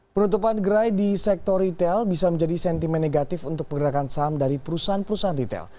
penutupan gerai di sektor retail bisa menjadi sentimen negatif untuk pergerakan saham dari perusahaan perusahaan retail